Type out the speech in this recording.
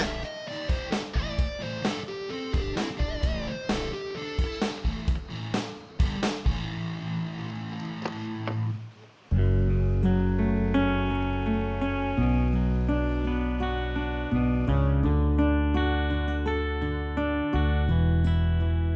aku mau ke rumah